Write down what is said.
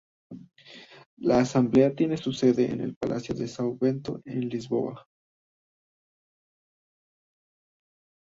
La Asamblea tiene su sede en el Palácio de São Bento en Lisboa.